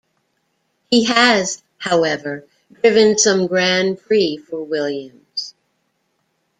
He has, however, driven some Grands Prix for Williams.